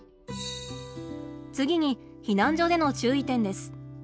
次に避難所での注意点です。